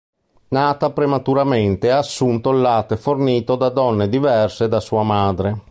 Nata prematuramente ha assunto il latte fornito da donne diverse da sua madre.